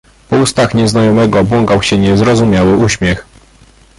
"Po ustach nieznajomego błąkał się niezrozumiały uśmiech."